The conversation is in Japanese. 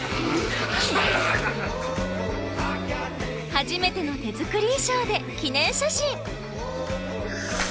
初めての手作り衣装で記念写真。